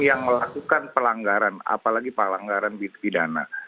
yang melakukan pelanggaran apalagi pelanggaran pidana